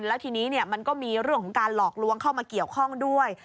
แล้วทีนี้มันก็มีเรื่องของการหลอกลวงเข้ามาเกี่ยวข้องด้วย